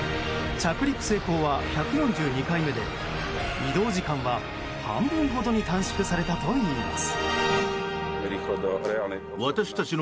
着陸成功は１４２回目で移動時間は半分ほどに短縮されたといいます。